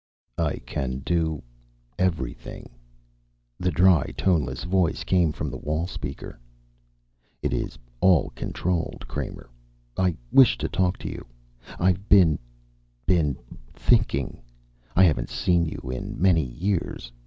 "I can do everything," the dry, toneless voice came from the wall speaker. "It is all controlled. Kramer, I wish to talk to you. I've been been thinking. I haven't seen you in many years.